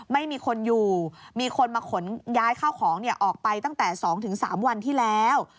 ไม่มีคนอยู่มีคนมาขนย้ายข้าวของออกไปตั้งแต่๒๓วันที่แล้ว